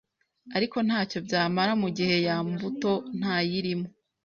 ariko ntacyo byamara mu gihe ya mbuto nta yirimo